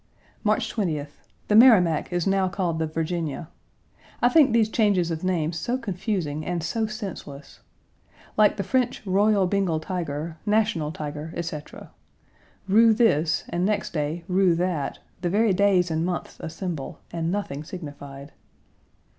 March 20th. The Merrimac is now called the Virginia. I think these changes of names so confusing and so senseless. Like the French "Royal Bengal Tiger," "National Tiger," etc. Rue this, and next day Rue that, the very days and months a symbol, and nothing signified.